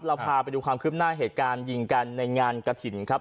เราพาไปดูความคืบหน้าเหตุการณ์ยิงกันในงานกระถิ่นครับ